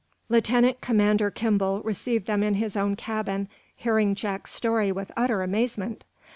Lieutenant Commander Kimball received them in his own cabin, hearing Jack's story with utter amazement.